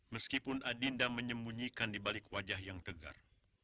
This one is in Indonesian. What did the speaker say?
meskipun adinda menyembunyikan di balik wajah yang tegar